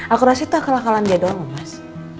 aku rasa itu kelelakan dia doang mas